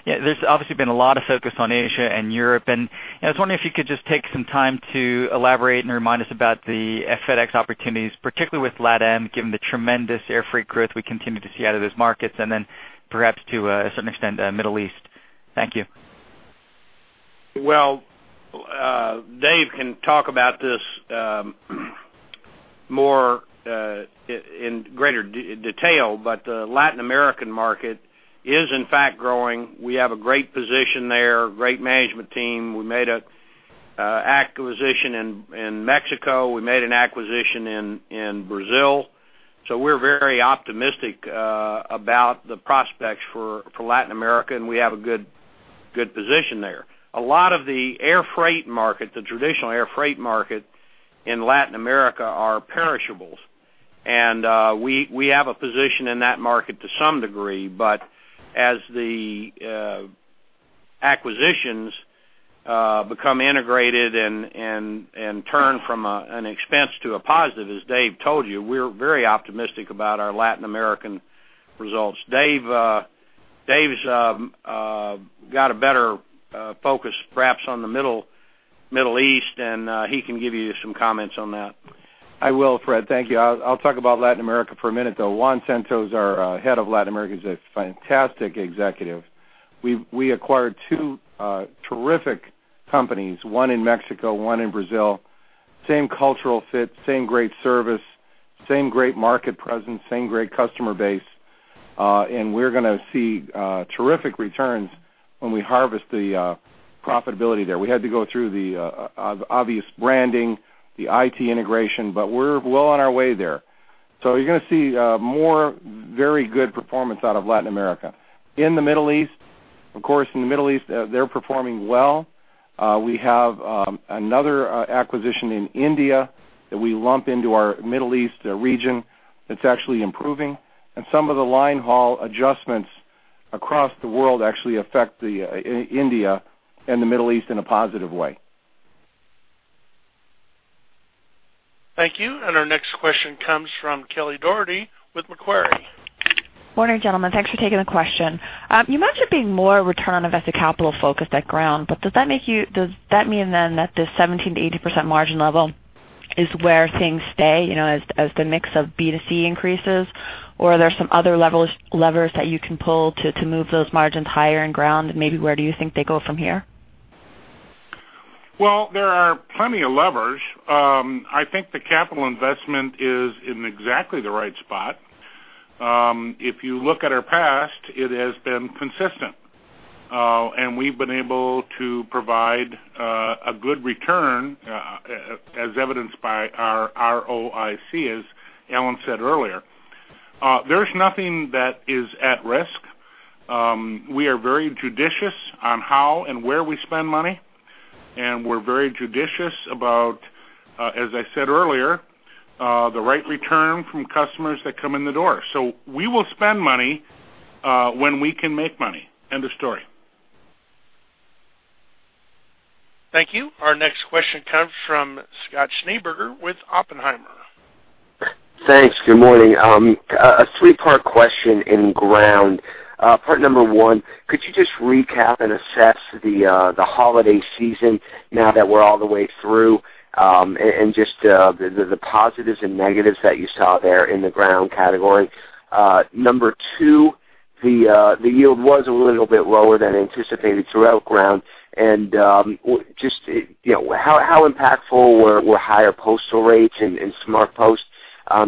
Yeah, there's obviously been a lot of focus on Asia and Europe, and I was wondering if you could just take some time to elaborate and remind us about the FedEx opportunities, particularly with LatAm, given the tremendous air freight growth we continue to see out of those markets, and then perhaps to a certain extent, Middle East. Thank you. Well, Dave can talk about this more in greater detail, but the Latin American market is, in fact, growing. We have a great position there, great management team. We made an acquisition in Mexico. We made an acquisition in Brazil. So we're very optimistic about the prospects for Latin America, and we have a good position there. A lot of the air freight market, the traditional air freight market in Latin America, are perishables, and we have a position in that market to some degree. But as the acquisitions become integrated and turn from an expense to a positive, as Dave told you, we're very optimistic about our Latin American results. Dave, Dave's got a better focus, perhaps, on the Middle East, and he can give you some comments on that. I will, Fred. Thank you. I'll talk about Latin America for a minute, though. Juan Cento, our head of Latin America, is a fantastic executive. We acquired two terrific companies, one in Mexico, one in Brazil. Same cultural fit, same great service, same great market presence, same great customer base, and we're gonna see terrific returns when we harvest the profitability there. We had to go through the obvious branding, the IT integration, but we're well on our way there. So you're gonna see more very good performance out of Latin America. In the Middle East, of course, in the Middle East, they're performing well. We have another acquisition in India that we lump into our Middle East region that's actually improving. Some of the line haul adjustments across the world actually affect India and the Middle East in a positive way. Thank you. And our next question comes from Kelly Dougherty with Macquarie. Morning, gentlemen. Thanks for taking the question. You mentioned there being more return on invested capital focus at ground, but does that mean then that the 17%-80% margin level is where things stay, you know, as the mix of B2C increases? Or are there some other levers that you can pull to move those margins higher in ground? And maybe where do you think they go from here? Well, there are plenty of levers. I think the capital investment is in exactly the right spot.... If you look at our past, it has been consistent, and we've been able to provide a good return, as evidenced by our ROIC, as Alan said earlier. There's nothing that is at risk. We are very judicious on how and where we spend money, and we're very judicious about, as I said earlier, the right return from customers that come in the door. So we will spend money when we can make money. End of story. Thank you. Our next question comes from Scott Schneeberger with Oppenheimer. Thanks. Good morning. A three-part question in Ground. Part number one, could you just recap and assess the holiday season now that we're all the way through, and just the positives and negatives that you saw there in the Ground category? Number two, the yield was a little bit lower than anticipated throughout Ground. And just, you know, how impactful were higher postal rates in SmartPost?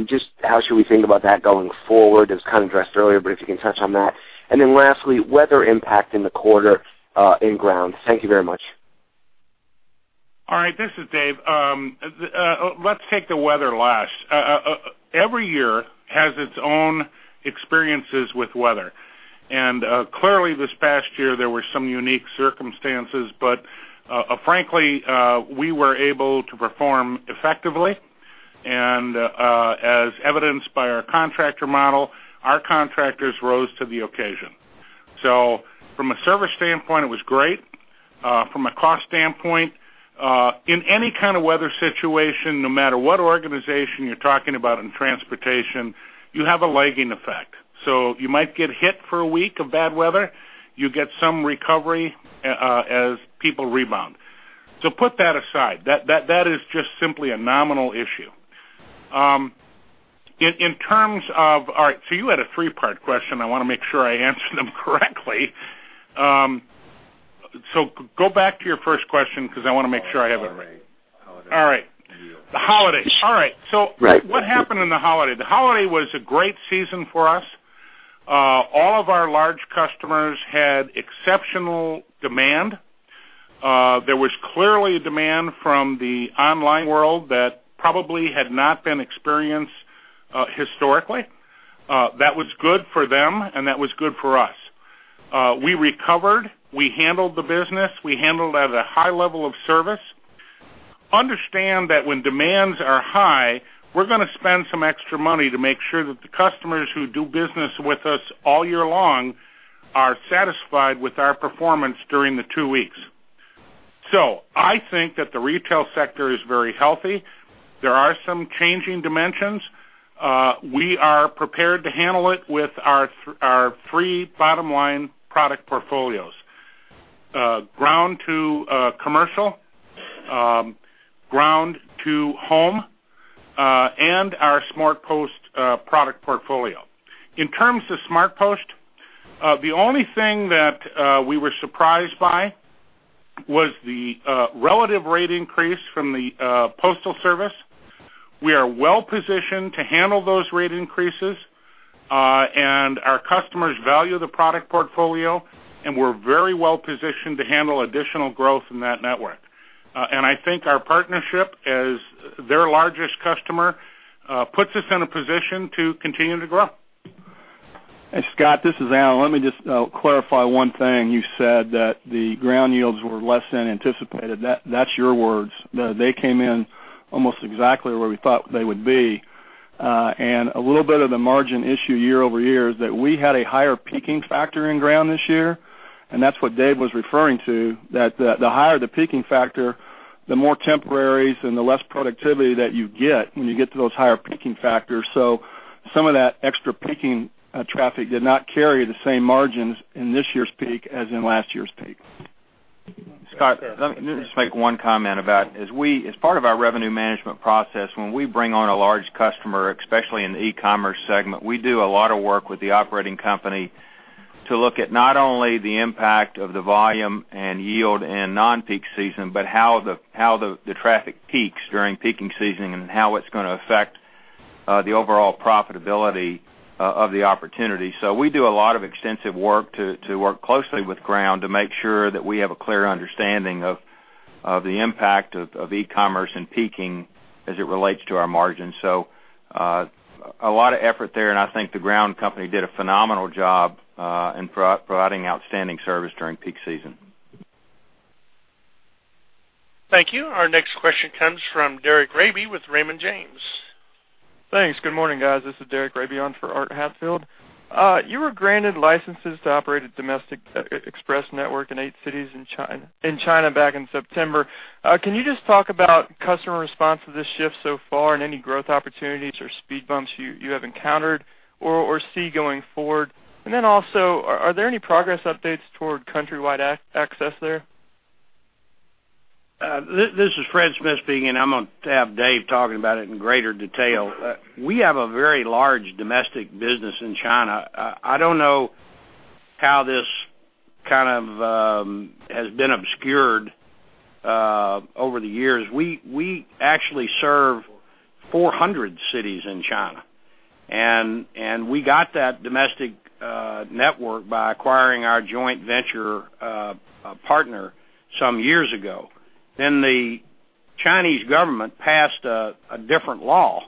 Just how should we think about that going forward? It was kind of addressed earlier, but if you can touch on that. And then lastly, weather impact in the quarter in Ground. Thank you very much. All right, this is Dave. Let's take the weather last. Every year has its own experiences with weather. And, clearly, this past year, there were some unique circumstances, but, frankly, we were able to perform effectively, and, as evidenced by our contractor model, our contractors rose to the occasion. So from a service standpoint, it was great. From a cost standpoint, in any kind of weather situation, no matter what organization you're talking about in transportation, you have a lagging effect. So you might get hit for a week of bad weather, you get some recovery, as people rebound. So put that aside. That is just simply a nominal issue. All right, so you had a three-part question. I want to make sure I answer them correctly. Go back to your first question because I want to make sure I have it right. All right. Holidays. All right. The holidays. All right. Right. So what happened in the holiday? The holiday was a great season for us. All of our large customers had exceptional demand. There was clearly demand from the online world that probably had not been experienced, historically. That was good for them, and that was good for us. We recovered, we handled the business, we handled it at a high level of service. Understand that when demands are high, we're going to spend some extra money to make sure that the customers who do business with us all year long are satisfied with our performance during the two weeks. So I think that the retail sector is very healthy. There are some changing dimensions. We are prepared to handle it with our three bottom line product portfolios: Ground, too, commercial, Ground to home, and our SmartPost product portfolio. In terms of SmartPost, the only thing that we were surprised by was the relative rate increase from the Postal Service. We are well-positioned to handle those rate increases, and our customers value the product portfolio, and we're very well-positioned to handle additional growth in that network. And I think our partnership as their largest customer puts us in a position to continue to grow. Hey, Scott, this is Alan. Let me just clarify one thing. You said that the Ground yields were less than anticipated. That's your words. They came in almost exactly where we thought they would be. And a little bit of the margin issue year-over-year is that we had a higher peaking factor in Ground this year, and that's what Dave was referring to, that the higher the peaking factor, the more temporaries and the less productivity that you get when you get to those higher peaking factors. So some of that extra peaking traffic did not carry the same margins in this year's peak as in last year's peak. Scott, let me just make one comment about, as part of our revenue management process, when we bring on a large customer, especially in the e-commerce segment, we do a lot of work with the operating company to look at not only the impact of the volume and yield in non-peak season, but how the traffic peaks during peaking season and how it's going to affect the overall profitability of the opportunity. So we do a lot of extensive work to work closely with Ground to make sure that we have a clear understanding of the impact of e-commerce and peaking as it relates to our margins. So, a lot of effort there, and I think the Ground company did a phenomenal job in providing outstanding service during peak season. Thank you. Our next question comes from Derek Raby with Raymond James. Thanks. Good morning, guys. This is Derek Raby on for Art Hatfield. You were granted licenses to operate a domestic express network in eight cities in China back in September. Can you just talk about customer response to this shift so far and any growth opportunities or speed bumps you have encountered or see going forward? And then also, are there any progress updates toward countrywide access there? This is Fred Smith speaking, and I'm going to have Dave talking about it in greater detail. We have a very large domestic business in China. I don't know how this kind of has been obscured over the years. We actually serve 400 cities in China, and we got that domestic network by acquiring our joint venture partner some years ago. Then the Chinese government passed a different law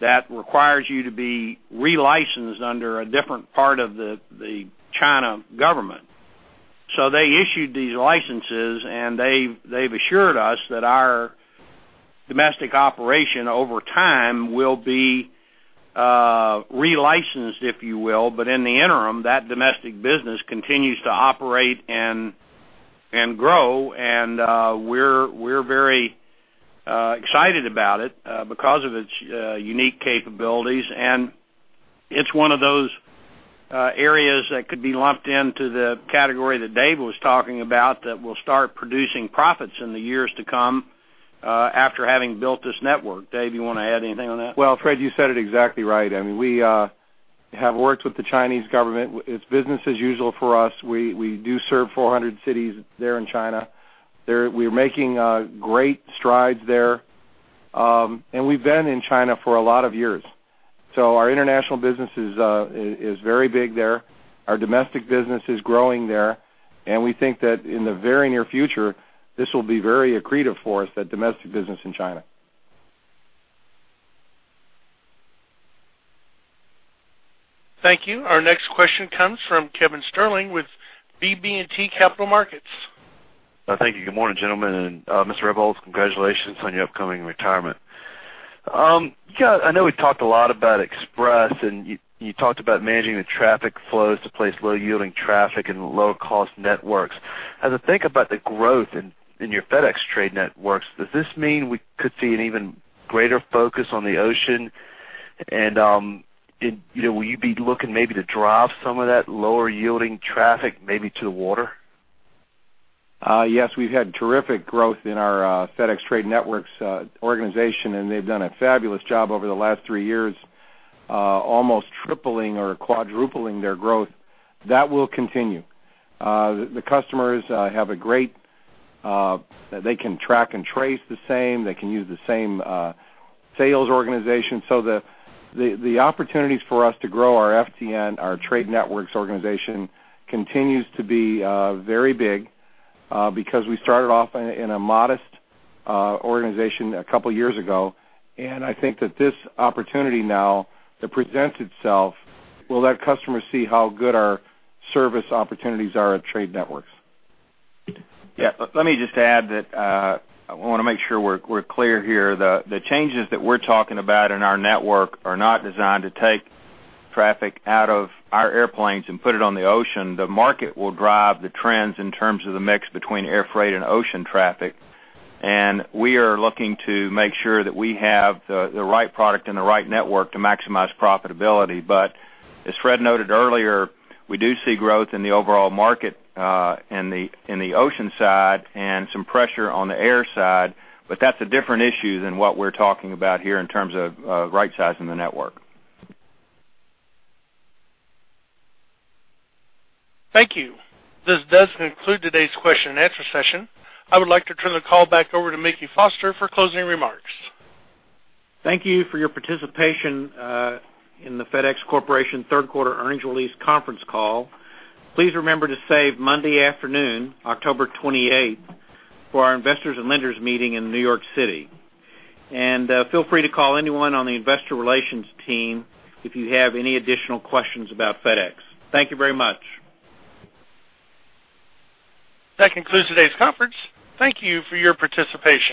that requires you to be re-licensed under a different part of the China government. So they issued these licenses, and they've assured us that our domestic operation over time will be re-licensed, if you will. But in the interim, that domestic business continues to operate and grow, and we're very excited about it because of its unique capabilities. It's one of those, areas that could be lumped into the category that Dave was talking about, that will start producing profits in the years to come, after having built this network. Dave, you want to add anything on that? Well, Fred, you said it exactly right. I mean, we have worked with the Chinese government. It's business as usual for us. We do serve 400 cities there in China. We're making great strides there. And we've been in China for a lot of years. So our international business is very big there. Our domestic business is growing there, and we think that in the very near future, this will be very accretive for us, that domestic business in China. Thank you. Our next question comes from Kevin Sterling with BB&T Capital Markets. Thank you. Good morning, gentlemen, and Mr. Rebholz, congratulations on your upcoming retirement. Yeah, I know we talked a lot about Express, and you talked about managing the traffic flows to place low-yielding traffic and low-cost networks. As I think about the growth in your FedEx Trade Networks, does this mean we could see an even greater focus on the ocean? And, you know, will you be looking maybe to drop some of that lower-yielding traffic, maybe to the water? Yes, we've had terrific growth in our FedEx Trade Networks organization, and they've done a fabulous job over the last three years, almost tripling or quadrupling their growth. That will continue. The customers have a great... They can track and trace the same, they can use the same sales organization. So the opportunities for us to grow our FTN, our Trade Networks organization, continues to be very big, because we started off in a modest organization a couple years ago. And I think that this opportunity now, that presents itself, will let customers see how good our service opportunities are at Trade Networks. Yeah. Let me just add that, I want to make sure we're, we're clear here. The, the changes that we're talking about in our network are not designed to take traffic out of our airplanes and put it on the ocean. The market will drive the trends in terms of the mix between air freight and ocean traffic, and we are looking to make sure that we have the, the right product and the right network to maximize profitability. But as Fred noted earlier, we do see growth in the overall market, in the, in the ocean side and some pressure on the air side, but that's a different issue than what we're talking about here in terms of, right-sizing the network. Thank you. This does conclude today's question and answer session. I would like to turn the call back over to Mickey Foster for closing remarks. Thank you for your participation in the FedEx Corporation third quarter earnings release conference call. Please remember to save Monday afternoon, October twenty-eighth, for our investors and lenders meeting in New York City. Feel free to call anyone on the investor relations team if you have any additional questions about FedEx. Thank you very much. That concludes today's conference. Thank you for your participation.